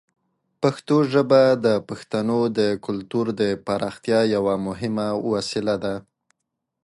پښتو ژبه د پښتنو د کلتور د پراختیا یوه مهمه وسیله ده.